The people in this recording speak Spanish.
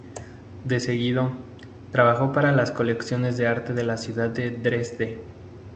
De seguido, trabajó para las colecciones de arte de la ciudad de Dresde.